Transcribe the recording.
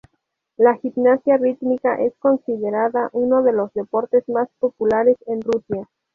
La gimnasia rítmica es considerada uno de los deportes más populares en Rusia.